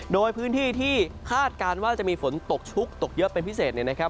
โดยพื้นที่ที่คาดการณ์ว่าจะมีฝนตกชุกตกเยอะเป็นพิเศษเนี่ยนะครับ